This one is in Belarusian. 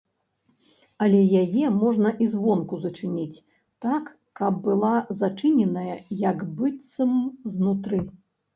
Але яе можна і звонку зачыніць так, каб была зачыненая, як быццам знутры.